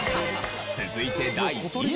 続いて第２位。